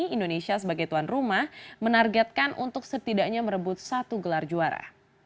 indonesia sebagai tuan rumah menargetkan untuk setidaknya merebut satu gelar juara